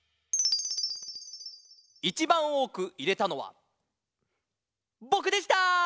いちばんおおくいれたのはぼくでした！